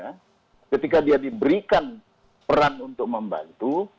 karena ketika dia diberikan peran untuk membantu